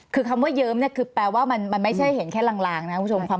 คือคำว่าเยิ้มเนี่ยคือแปลว่ามันไม่ใช่เห็นแค่ลางนะคุณผู้ชม